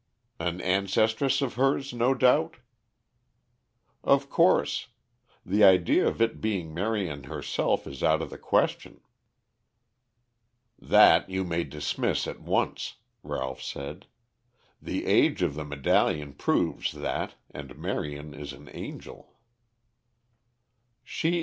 "An ancestress of hers, no doubt?" "Of course. The idea of it being Marion herself is out of the question." "That you may dismiss at once," Ralph said. "The age of the medallion proves that and Marion is an angel."